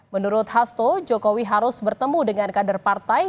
menurut hasto jokowi harus bertemu dengan kader partai